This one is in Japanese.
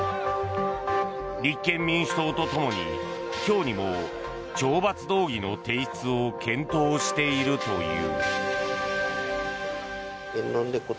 立憲民主党とともに今日にも懲罰動議の提出を検討しているという。